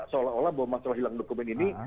seolah olah bahwa masalah hilang dokumen ini